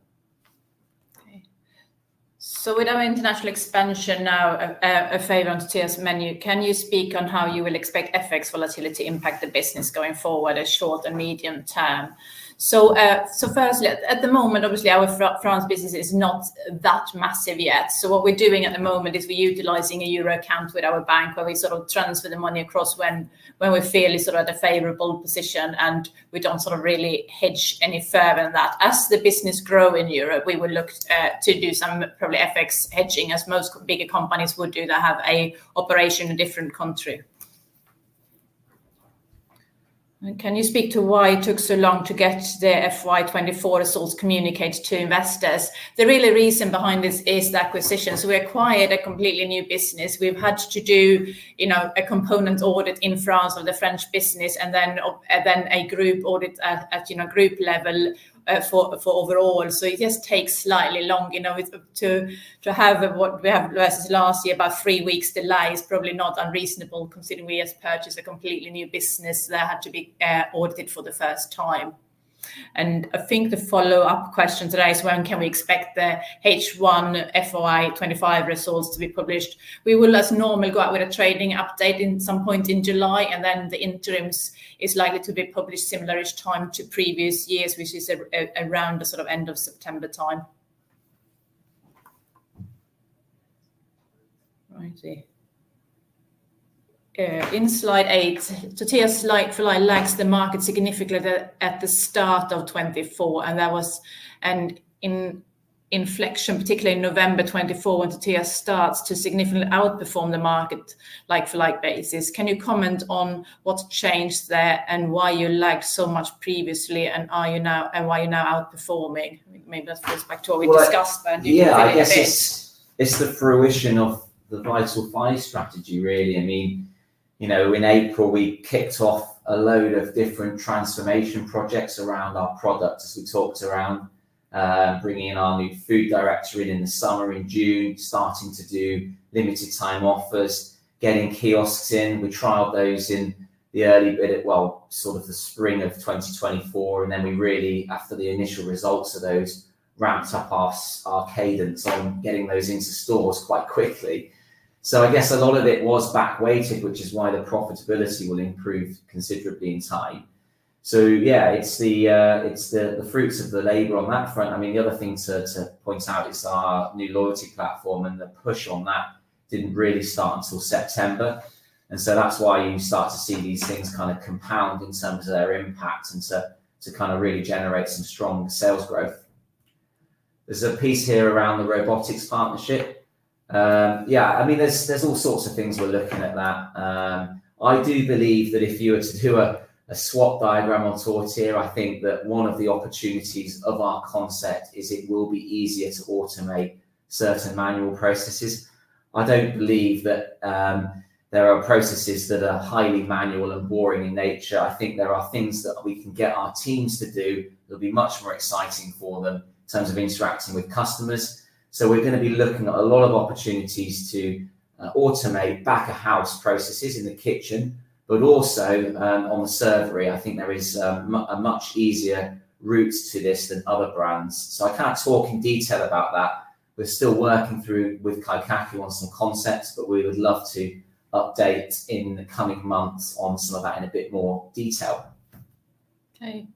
[SPEAKER 3] Okay. With our international expansion now, a favor on Tortilla's menu, can you speak on how you will expect FX volatility to impact the business going forward at short and medium term? Firstly, at the moment, obviously our France business is not that massive yet. What we are doing at the moment is we are utilizing a Euro account with our bank where we sort of transfer the money across when we feel it is at a favorable position and we do not really hedge any further than that. As the business grows in Europe, we will look to do some probably FX hedging as most bigger companies would do that have an operation in a different country. Can you speak to why it took so long to get the FY 2024 results communicated to investors? The real reason behind this is the acquisition. We acquired a completely new business. We've had to do, you know, a component audit in France of the French business and then a group audit at, you know, group level, for overall. It just takes slightly longer, you know, to have what we have versus last year. About three weeks delay is probably not unreasonable considering we just purchased a completely new business that had to be audited for the first time. I think the follow-up question today is when can we expect the H1 FY 2025 results to be published? We will, as normal, go out with a trading update at some point in July, and then the interims are likely to be published similar time to previous years, which is around the sort of end of September time. Right. In slide eight, Tortilla's like-for-like lags the market significantly at the start of 2024, and that was an inflection, particularly in November 2024, when Tortilla starts to significantly outperform the market like-for-like basis. Can you comment on what's changed there and why you lagged so much previously, and are you now, and why you're now outperforming? Maybe that's back to what we discussed,
[SPEAKER 2] but yeah, I guess it's, it's the fruition of the vital buy strategy, really. I mean, you know, in April, we kicked off a load of different transformation projects around our product as we talked around, bringing in our new Food Director in in the summer in June, starting to do limited time offers, getting kiosks in. We trialed those in the early bit, well, sort of the spring of 2024, and then we really, after the initial results of those, ramped up our cadence on getting those into stores quite quickly. I guess a lot of it was back-weighted, which is why the profitability will improve considerably in time. Yeah, it's the fruits of the labor on that front. I mean, the other thing to point out is our new loyalty platform, and the push on that did not really start until September. That is why you start to see these things kind of compound in terms of their impact and to kind of really generate some strong sales growth. There is a piece here around the robotics partnership. Yeah, I mean, there are all sorts of things we are looking at that. I do believe that if you were to do a swap diagram on Tortilla, I think that one of the opportunities of our concept is it will be easier to automate certain manual processes. I don't believe that there are processes that are highly manual and boring in nature. I think there are things that we can get our teams to do that'll be much more exciting for them in terms of interacting with customers. We are going to be looking at a lot of opportunities to automate back-of-house processes in the kitchen, but also on the servery, I think there is a much easier route to this than other brands. I can't talk in detail about that. We are still working through with Kaikaku on some concepts, but we would love to update in the coming months on some of that in a bit more detail.
[SPEAKER 3] Okay.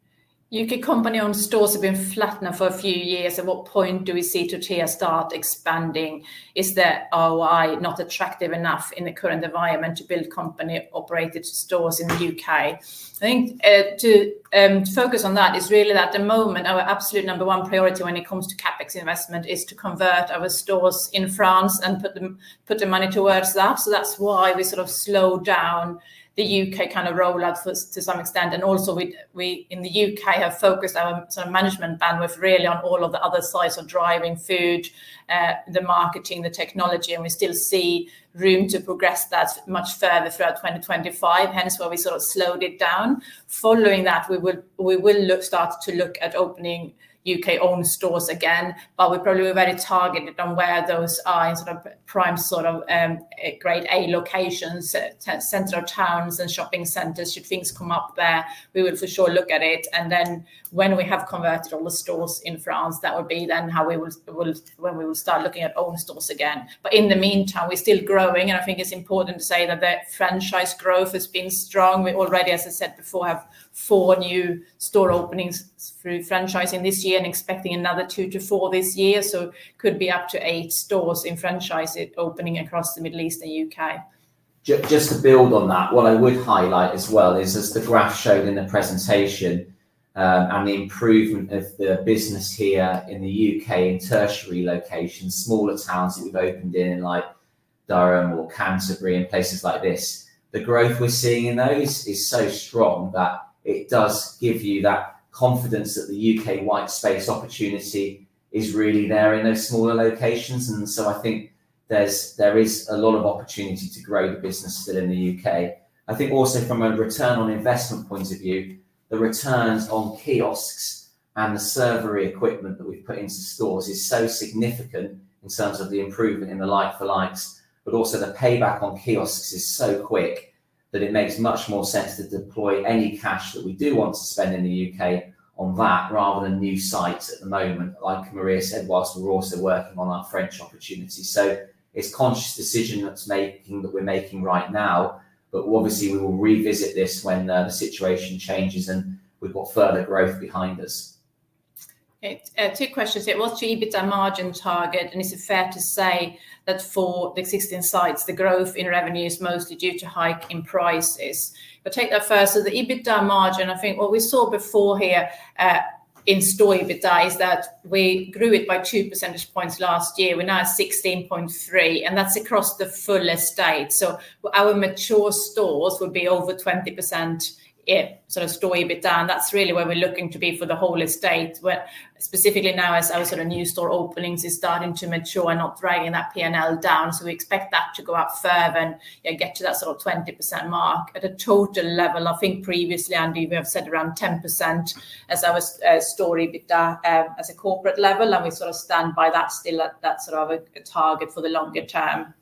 [SPEAKER 3] U.K. company-owned stores have been flattening for a few years. At what point do we see Tortilla start expanding? Is that ROI not attractive enough in the current environment to build company-operated stores in the U.K.? I think, to focus on that, is really that at the moment, our absolute number one priority when it comes to CapEx investment is to convert our stores in France and put the money towards that. That is why we sort of slowed down the U.K. kind of rollout to some extent. Also, we in the U.K. have focused our sort of management bandwidth really on all of the other sides of driving food, the marketing, the technology, and we still see room to progress that much further throughout 2025. Hence why we sort of slowed it down. Following that, we will start to look at opening U.K.-owned stores again, but we probably were very targeted on where those are in sort of prime, sort of grade A locations, center of towns and shopping centers. Should things come up there, we will for sure look at it. When we have converted all the stores in France, that would be then when we will start looking at own stores again. In the meantime, we're still growing, and I think it's important to say that the franchise growth has been strong. We already, as I said before, have four new store openings through franchising this year and expecting another two to four this year. It could be up to eight stores in franchise opening across the Middle East and U.K.
[SPEAKER 2] Just to build on that, what I would highlight as well is, as the graph showed in the presentation, and the improvement of the business here in the U.K. in tertiary locations, smaller towns that we've opened in like Durham or Canterbury and places like this, the growth we're seeing in those is so strong that it does give you that confidence that the U.K. white space opportunity is really there in those smaller locations. I think there is a lot of opportunity to grow the business still in the U.K. I think also from a return on investment point of view, the returns on kiosks and the servery equipment that we've put into stores is so significant in terms of the improvement in the like-for-likes, but also the payback on kiosks is so quick that it makes much more sense to deploy any cash that we do want to spend in the U.K. on that rather than new sites at the moment, like Maria said, whilst we're also working on that French opportunity. It is a conscious decision that we're making right now, but obviously we will revisit this when the situation changes and we've got further growth behind us.
[SPEAKER 3] Okay. Two questions here. What's your EBITDA margin target? And is it fair to say that for the existing sites, the growth in revenue is mostly due to hike in prices? But take that first. The EBITDA margin, I think what we saw before here, in store EBITDA is that we grew it by 2 percentage points last year. We're now at 16.3%, and that's across the full estate. Our mature stores would be over 20% sort of store EBITDA, and that's really where we're looking to be for the whole estate, but specifically now as our sort of new store openings are starting to mature and not dragging that P&L down. We expect that to go up further and, yeah, get to that sort of 20% mark at a total level. I think previously, Andy, we have said around 10% as our store EBITDA, as a corporate level, and we sort of stand by that still as that sort of a target for the longer term.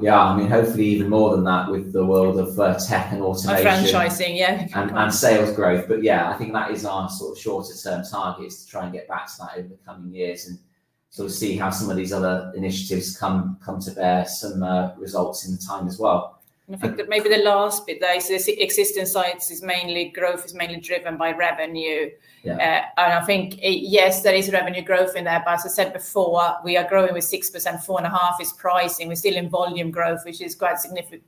[SPEAKER 2] Yeah. I mean, hopefully even more than that with the world of tech and automation
[SPEAKER 3] and franchising, yeah,
[SPEAKER 2] and sales growth. Yeah, I think that is our sort of shorter term target, to try and get back to that over the coming years and sort of see how some of these other initiatives come to bear some results in the time as well.
[SPEAKER 3] I think that maybe the last bit there, so this existing site is mainly, growth is mainly driven by revenue. Yeah, I think yes, there is revenue growth in there, but as I said before, we are growing with 6%, four and a half is pricing. We're still in volume growth, which is quite significant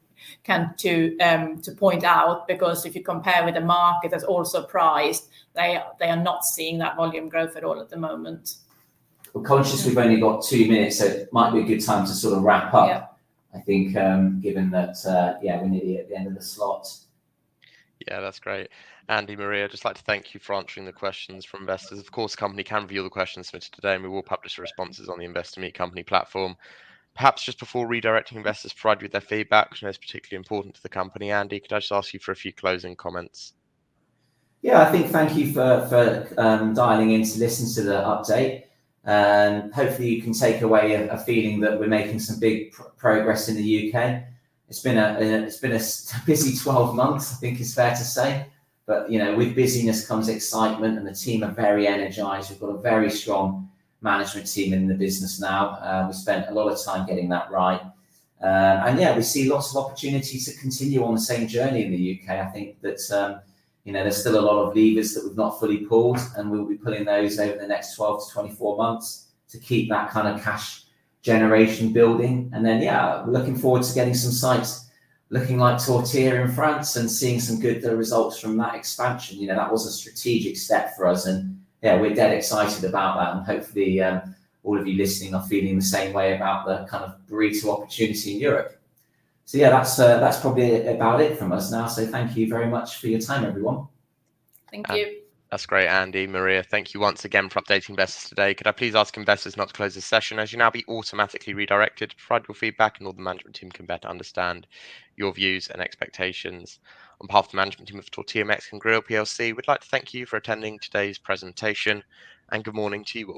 [SPEAKER 3] to point out because if you compare with the market that's also priced, they are not seeing that volume growth at all at the moment.
[SPEAKER 2] Conscious we have only got two minutes, so it might be a good time to sort of wrap up.
[SPEAKER 3] Yeah.
[SPEAKER 2] I think, given that, yeah, we need to hit the end of the slot.
[SPEAKER 1] Yeah, that's great. Andy, Maria, I'd just like to thank you for answering the questions from investors. Of course, the company can view the questions submitted today, and we will publish the responses on the Investor Meet Company platform. Perhaps just before redirecting investors, provide you with their feedback, which I know is particularly important to the company. Andy, could I just ask you for a few closing comments?
[SPEAKER 2] Yeah, I think thank you for dialing in to listen to the update, and hopefully you can take away a feeling that we are making some big progress in the U.K. It's been a busy 12 months, I think it's fair to say, but you know, with busyness comes excitement, and the team are very energized. We've got a very strong management team in the business now. We spent a lot of time getting that right. And yeah, we see lots of opportunities to continue on the same journey in the U.K. I think that, you know, there's still a lot of levers that we've not fully pulled, and we'll be pulling those over the next 12-24 months to keep that kind of cash generation building. And then, yeah, we're looking forward to getting some sites looking like Tortilla in France and seeing some good results from that expansion. You know, that was a strategic step for us, and yeah, we're dead excited about that. Hopefully, all of you listening are feeling the same way about the kind of burrito opportunity in Europe. Yeah, that's probably about it from us now. Thank you very much for your time, everyone.
[SPEAKER 3] Thank you.
[SPEAKER 1] That's great, Andy, Maria. Thank you once again for updating investors today. Could I please ask investors not to close the session as you will now be automatically redirected to provide your feedback so the management team can better understand your views and expectations? On behalf of the management team of Tortilla Mexican Grill PLC, we'd like to thank you for attending today's presentation, and good morning to you.